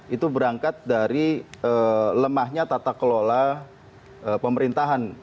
itu berangkat dari lemahnya tata kelola pemerintahan